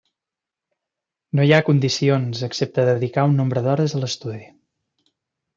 No hi ha condicions, excepte dedicar un nombre d'hores a l'estudi.